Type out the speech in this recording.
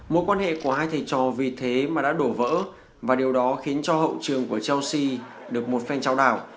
mối quan hệ của hai thầy trò vì thế mà đã đổ vỡ và điều đó khiến cho hậu trường của chelsea được một phanh trao đảo